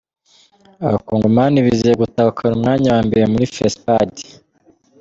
Abakongomani bizeye gutahukana umwanya wa mbere muri Fesipadi